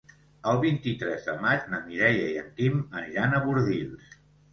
El vint-i-tres de maig na Mireia i en Quim aniran a Bordils.